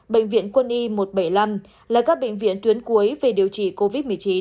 bệnh viện quân y một trăm bảy mươi năm là các bệnh viện tuyến cuối về điều trị covid một mươi chín